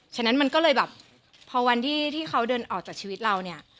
ฉะนั้นมันก็เลยแบบพอวันที่เขาเดินออกจากชีวิตเราเนี่ย